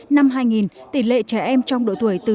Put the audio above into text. năm hai nghìn tỷ lệ trẻ em trong độ tuổi từ